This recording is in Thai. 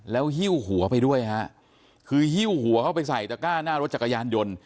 แล้วหิ้วหัวไปด้วยฮะคือหิ้วหัวเข้าไปใส่ตะก้าหน้ารถจักรยานยนต์